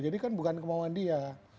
jadi kan bukan kemauan dia